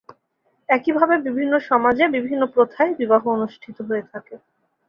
একইভাবে বিভিন্ন সমাজে বিভিন্ন প্রথায় বিবাহ অনুষ্ঠিত হয়ে থাকে।